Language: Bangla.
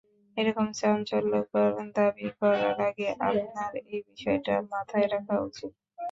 এরকম চাঞ্চল্যকর দাবী করার আগে আপনার এই বিষয়টা মাথায় রাখা উচিৎ।